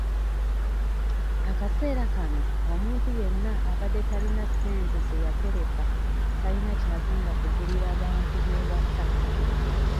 Akaseera kano omuntu yenna abadde talina ssente ze yatereka tayina ky'agenda gulira bantu b'ewaka.